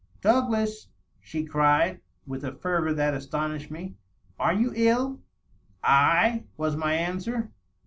" Doug las !" she cried, with a fervor that astonished me. " Are you ill?" " I ?" was my answer.